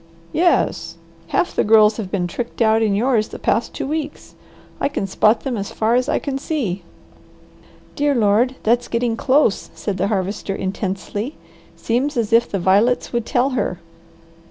"Yes. Half the girls have been tricked out in yours the past two weeks. I can spot them as far as I can see." "Dear Lord, that's getting close!" said the Harvester intensely. "Seems as if the violets would tell her."